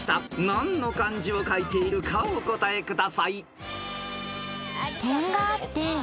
［何の漢字を書いているかお答えください］